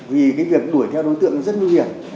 vì cái việc đuổi theo đối tượng rất nguy hiểm